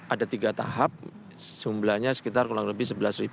ada tiga tahap sumbelannya sekitar kurang lebih sebelas empat ratus dua puluh dua